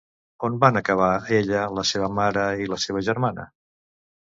On van acabar ella, la seva mare i la seva germana?